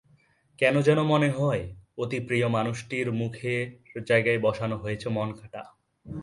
কেন যেন মনে হয়, অতি প্রিয় মানুষটির মুখের জায়গায় বসানো রয়েছে মনকাঁটা।